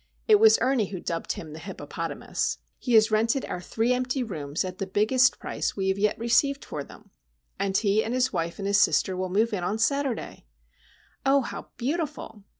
It was Ernie who dubbed him "the Hippopotamus." He has rented our three empty rooms at the biggest price we have yet received for them; and he and his wife and his sister will move in on Saturday! Oh, how beautiful!